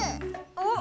あっ！